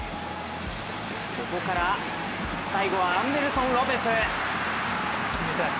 ここから最後はアンデルソン・ロペス。